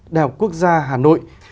đại học quốc gia hà nội